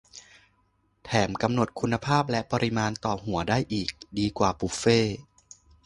- แถมกำหนดคุณภาพและปริมาณต่อหัวได้อีก ดีกว่าบุฟเฟต์